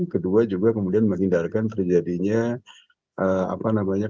kedua juga kemudian menghindarkan terjadinya apa namanya